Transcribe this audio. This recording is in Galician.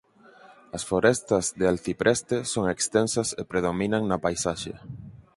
As forestas de alcipreste son extensas e predominan na paisaxe.